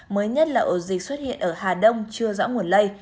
mới nhất là ổ dịch xuất hiện ở hà đông chưa rõ nguồn lây